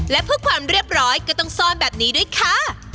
และเพื่อความเรียบร้อยก็ต้องซ่อนแบบนี้ด้วยค่ะ